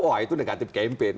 wah itu negatif campaign